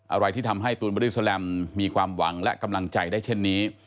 อะไรที่ทำให้ตูนบอดี้แลมมีความหวังและกำลังใจได้เช่นนี้